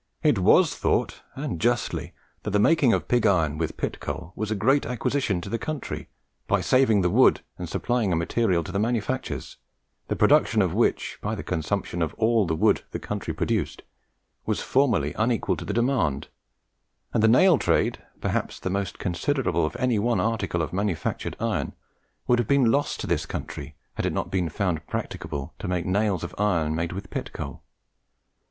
It was thought, and justly, that the making of pig iron with pit coal was a great acquisition to the country by saving the wood and supplying a material to manufactures, the production of which, by the consumption of all the wood the country produced, was formerly unequal to the demand, and the nail trade, perhaps the most considerable of any one article of manufactured iron, would have been lost to this country had it not been found practicable to make nails of iron made with pit coal.